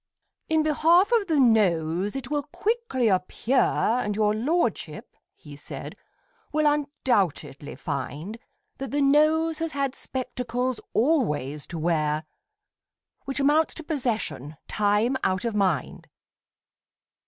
In behalf of the Nose it will quickly appear, And your lordship, he said, will undoubtedly find, That the Nose has had spectacles always to wear, Which amounts to possession time out of mind.